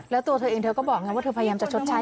แล้วตัวเธอเองเธอก็บอกไงว่าเธอพยายามจะชดใช้